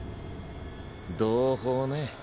同胞ね。